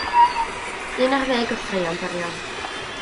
Un ar ddeg o straeon byrion.